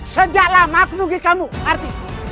sejak lama aku tunggu kamu arti